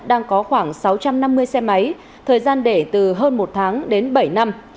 đang có khoảng sáu trăm năm mươi xe máy thời gian để từ hơn một tháng đến bảy năm